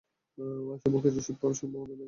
সম্মুখে রসদ পাবার সম্ভাবনাও নেই।